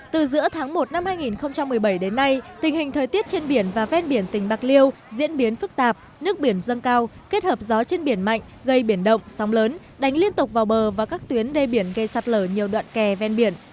từ giữa tháng một năm hai nghìn một mươi bảy đến nay tình hình thời tiết trên biển và ven biển tỉnh bạc liêu diễn biến phức tạp nước biển dâng cao kết hợp gió trên biển mạnh gây biển động sóng lớn đánh liên tục vào bờ và các tuyến đê biển gây sạt lở nhiều đoạn kè ven biển